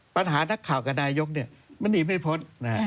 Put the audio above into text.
นักข่าวกับนายกมันหนีไม่พ้น